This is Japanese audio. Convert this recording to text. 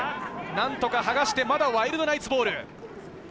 何とか剥がして、まだワイルドナイツボール。